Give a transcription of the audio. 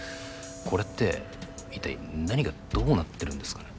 これって一体何がどうなってるんですかね？